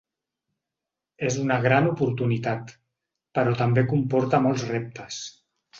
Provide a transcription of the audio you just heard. És una gran oportunitat, però també comporta molts reptes.